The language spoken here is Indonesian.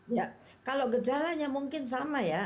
ya kalau gejalanya mungkin sama ya